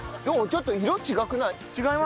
ちょっと色違くない？